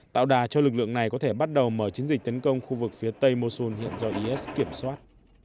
tạo đà cho lực lượng này có thể bắt đầu mở chiến dịch tấn công khu vực phía tây mosol hiện do is kiểm soát